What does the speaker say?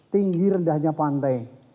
tinggi rendahnya pantai